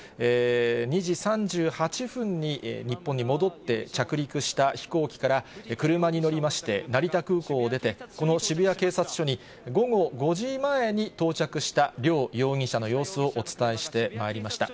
２時３８分に日本に戻って、着陸した飛行機から車に乗りまして、成田空港を出て、この渋谷警察署に午後５時前に到着した両容疑者の様子をお伝えしてまいりました。